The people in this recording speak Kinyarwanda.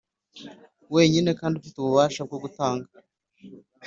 wenyine kandi ufite ububasha bwo gutanga